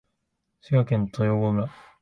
滋賀県豊郷町